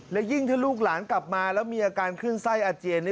และยิ่งถ้าลูกหลานกลับมาแล้วมีอาการขึ้นไส้อาเจียน